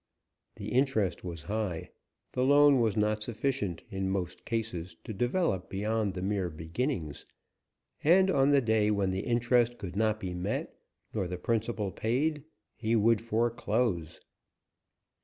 The interest was high, the loan was not sufficient, in most cases, to develop beyond the mere beginnings, and on the day when the interest could not be met nor the principal paid, he would foreclose.